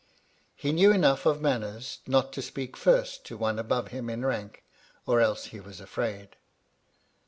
He knew enough of manners not to speak first to one above him in rank, or else he was afraid.